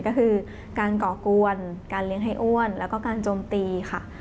ก็คือการก่อกวนการเลี้ยงให้อ้วนแล้วก็การโจมตีค่ะ